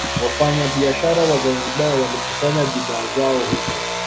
Wafanyabiashara wa Zanzibar walikusanya bidhaa zao huko